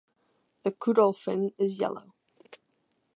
The caudal fin is yellow.